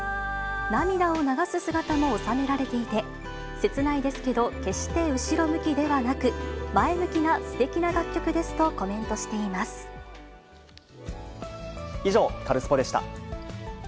涙を流す姿も収められていて、切ないですけど、決して後ろ向きではなく、前向きなすてきな楽曲ですとコメントし以上、カルスポっ！でした。